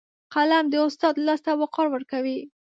قلم د استاد لاس ته وقار ورکوي